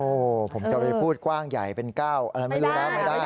โอ้ผมจะไปพูดกว้างใหญ่เป็นก้าวไม่ได้ไม่ได้